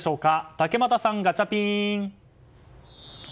竹俣さん、ガチャピン。